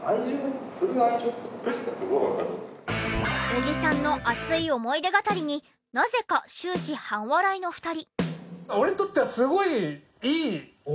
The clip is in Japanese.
小木さんの熱い思い出語りになぜか終始半笑いの２人。